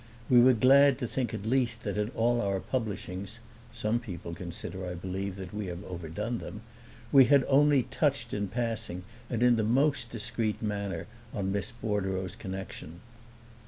We were glad to think at least that in all our publishings (some people consider I believe that we have overdone them), we had only touched in passing and in the most discreet manner on Miss Bordereau's connection.